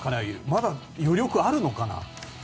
まだ余力はあるのかな？